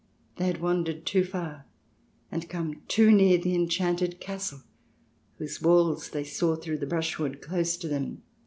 "They had wandered too far, and come too near the enchanted castle, whose walls they saw through the brushwood close to them."